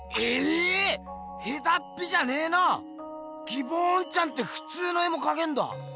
ギボーンちゃんってふつうの絵もかけるんだ！